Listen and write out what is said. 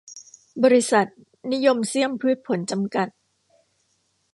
บริษัท นิยมเซียมพืชผล จำกัด